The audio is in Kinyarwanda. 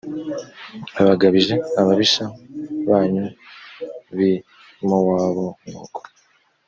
abagabije ababisha banyu b i mowabu nuko